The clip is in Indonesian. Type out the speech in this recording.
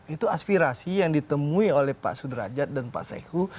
itu aspirasi yang ditemui oleh pak sudrajat dan pak saiku